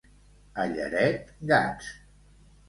A Lleret, gats.